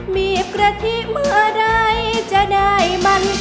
มีบะทิเมื่อใดจะได้มัน